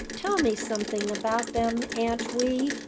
Tell me something about them, Aunt Wee.